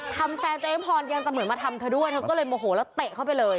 แฟนตัวเองพรยังจะเหมือนมาทำเธอด้วยเธอก็เลยโมโหแล้วเตะเข้าไปเลย